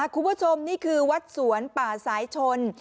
คุณผู้ชมนี่คือวัดสวนป่าสายชน